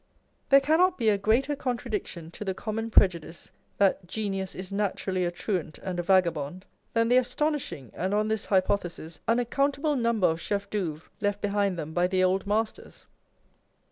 There cannot be a greater contradiction to the common prejudice that " Genius is naturally a truant and a vagabond," than the astonishing and (on this hypothesis) unaccountable number of chefs d'oeuvre left behind them by the old masters.